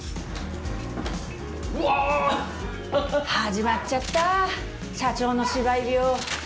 始まっちゃった社長の芝居病。